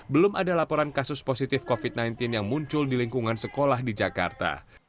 belum ada laporan kasus positif covid sembilan belas yang muncul di lingkungan sekolah di jakarta